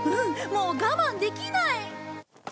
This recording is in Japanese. もう我慢できない！